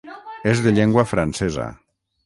És de llengua francesa.